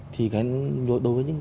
thì đối với những